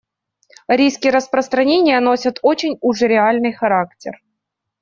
Риски распространения носят очень уж реальный характер.